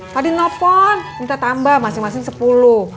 tadi nelpon minta tambah masing masing sepuluh